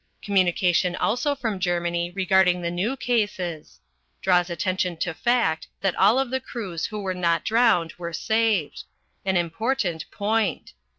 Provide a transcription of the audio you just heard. Communication also from Germany regarding the New Cases. Draws attention to fact that all of the crews who were not drowned were saved. An important point.